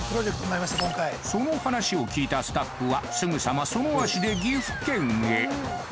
その話を聞いたスタッフはすぐさまその足で岐阜県へ！